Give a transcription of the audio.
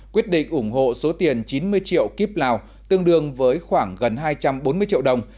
quyết định ủng hộ số tiền chín mươi triệu kíp lào tương đương với khoảng gần hai trăm bốn mươi triệu đồng